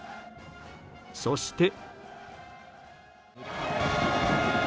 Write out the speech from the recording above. そして。